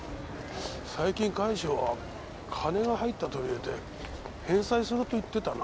最近快笑は金が入ったと見えて返済すると言ってたなぁ。